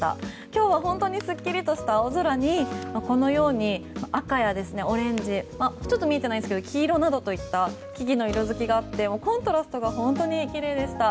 今日は本当にすっきりとした青空にこのように赤やオレンジちょっと見えてないんですが黄色などといった木々の色づきがあってコントラストが本当にきれいでした。